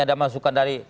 ada masukan dari